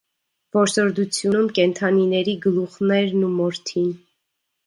Որսորդությունում կենդանիների գլուխներն ու մորթին։